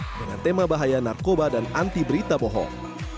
dengan tema bahaya narkoba dan anti berita bohong